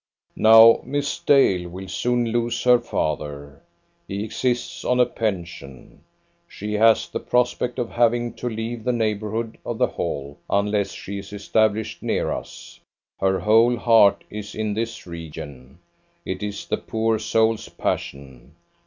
Now Miss Dale will soon lose her father. He exists on a pension; she has the prospect of having to leave the neighbourhood of the Hall, unless she is established near us. Her whole heart is in this region; it is the poor soul's passion.